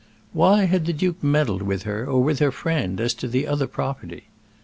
Why had the duke meddled with her, or with her friend, as to the other property?